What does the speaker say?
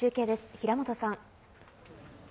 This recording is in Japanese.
平本さん。